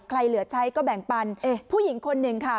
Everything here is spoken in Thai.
เหลือใช้ก็แบ่งปันผู้หญิงคนหนึ่งค่ะ